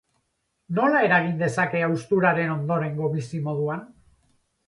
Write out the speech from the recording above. Nola eragin dezake hausturaren ondorengo bizimoduan?